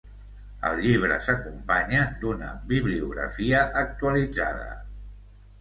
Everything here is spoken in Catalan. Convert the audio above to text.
El llibre s'acompanya d'una bibliografia actualitzada.